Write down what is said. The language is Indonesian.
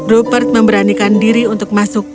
rupert memberanikan diri untuk masuk